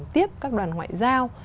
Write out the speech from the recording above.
tiếp các đoàn ngoại giao